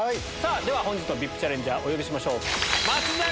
では本日のＶＩＰチャレンジャーお呼びしましょう。